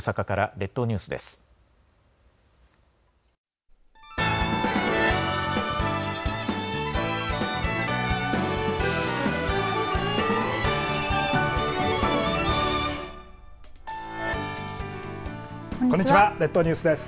列島ニュースです。